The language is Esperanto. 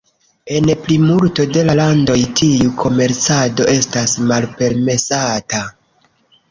En plimulto de la landoj tiu komercado estas malpermesata.